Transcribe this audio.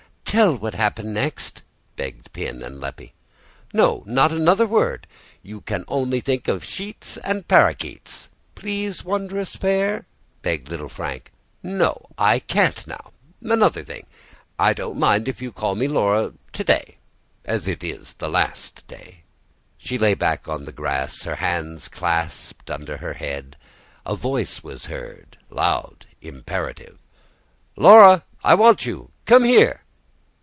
Tell what happened next," begged Pin and Leppie. "No, not another word. You can only think of sheets and parrakeets." "Please, Wondrous Fair," begged little Frank. "No, I can't now. Another thing: I don't mind if you call me Laura to day, as it's the last day." She lay back on the grass, her hands clasped under her head. A voice was heard, loud, imperative. "Laura, I want you. Come here."